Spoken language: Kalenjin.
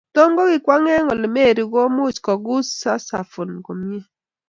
Tom kokikwong' ole mary kokiimuch kokut saxophone komie.